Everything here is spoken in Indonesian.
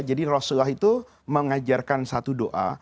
jadi rasulullah itu mengajarkan satu doa